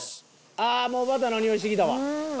ああもうバターのにおいしてきたわ。